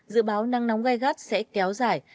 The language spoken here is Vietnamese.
dự báo nắng nóng gai gắt sẽ kéo dài